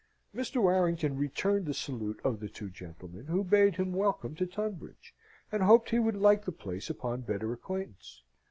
Mr. Warrington returned the salute of the two gentlemen, who bade him welcome to Tunbridge, and hoped he would like the place upon better acquaintance.